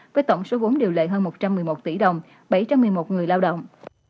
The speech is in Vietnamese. với tổng số vốn điều lệ hơn một trăm một mươi một tỷ đồng bảy trăm một mươi một người lao động